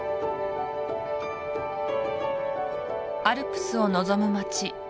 アルプスを望む街